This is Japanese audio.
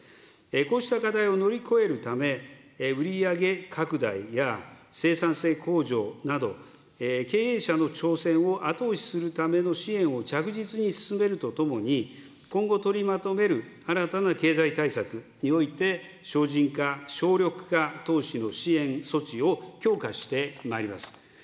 こうした課題を乗り越えるため、売り上げ拡大や生産性向上など、経営者の挑戦を後押しするための支援を着実に進めるとともに、今後取りまとめる新たな経済対策において、省人化、省力化投資の支援措置を強化してまいります。